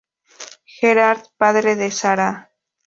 Gerard: Padre de Sarah.